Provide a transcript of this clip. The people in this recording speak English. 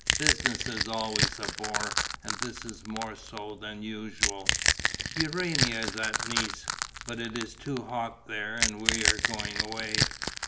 Business is always a bore; and this is more so than usual. Urania is at Nice. But it is too hot there and we are going away.